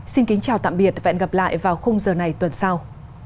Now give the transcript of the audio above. xin kính chào tạm biệt và hẹn gặp lại vào khung giờ này tuần sau